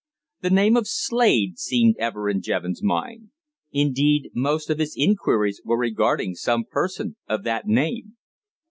The name of Slade seemed ever in Jevons' mind. Indeed, most of his inquiries were regarding some person of that name.